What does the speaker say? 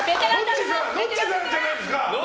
ノッチさんじゃないですか。